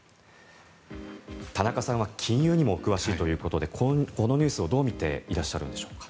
田中さんは金融にもお詳しいということでこのニュースをどう見ていらっしゃるんでしょうか。